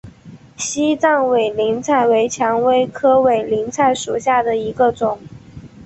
西藏委陵菜为蔷薇科委陵菜属下的一个种。